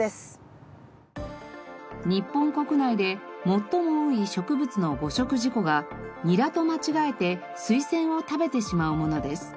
日本国内で最も多い植物の誤食事故がニラと間違えてスイセンを食べてしまうものです。